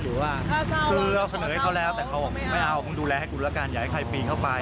คือเราเสนอให้เขาแล้วแต่เขาบอกว่าไม่เอาดูแลให้กูแล้วกันอย่าให้ใครปีนเข้าไป